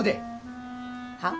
はっ？